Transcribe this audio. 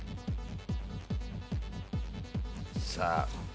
さあ。